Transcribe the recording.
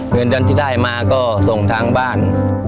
เงินเดือนที่ได้มาก็ส่งทางบ้าน